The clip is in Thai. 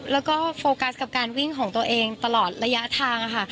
แล้วก็โฟกัสกับการวิ่งของตัวเองตลอดระยะทางค่ะ